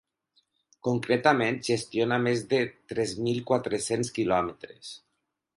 Concretament, gestiona més de tres mil quatre-cents quilòmetres.